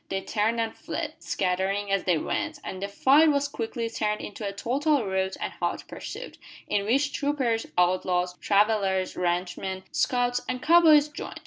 They turned and fled, scattering as they went, and the fight was quickly turned into a total rout and hot pursuit, in which troopers, outlaws, travellers, ranch men, scouts, and cow boys joined.